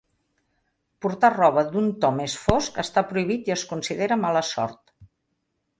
Portar roba d'un to més fosc està prohibit i es considera mala sort.